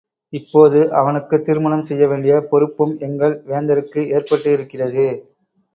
இப்போது அவனுக்குத் திருமணம் செய்ய வேண்டிய பொறுப்பும் எங்கள் வேந்தருக்கு ஏற்பட்டிருக்கிறது.